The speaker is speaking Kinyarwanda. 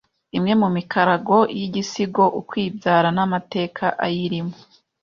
Imwe mu mikarago y’igisigo “Ukwibyara” n’amateka ayirimo